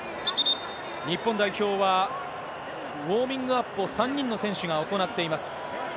日本代表は、ウォーミングアップを３人の選手が行っています。